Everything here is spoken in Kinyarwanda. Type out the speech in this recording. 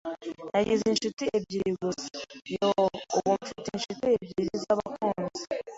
"Nagize inshuti ebyiri gusa." "Yoo, ubu mfite inshuti ebyiri z'abakunzi."